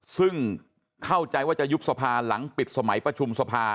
ซึ่งเข้าใจว่าจะยุบสภาหลังปิดสมัยประชุมสภา